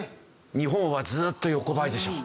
日本はずっと横ばいでしょ。